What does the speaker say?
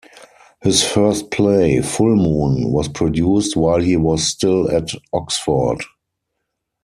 His first play, "Full Moon", was produced while he was still at Oxford.